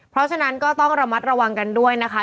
เพราะฉะนั้นก็ต้องระมัดระวังกันด้วยนะคะ